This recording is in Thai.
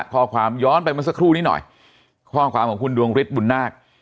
ข้อความย้อนไปเมื่อสักครู่นี้หน่อยข้อความของคุณดวงฤทธิบุญนาค